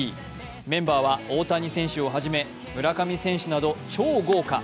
メンバーは大谷選手をはじめ村上選手など超豪華。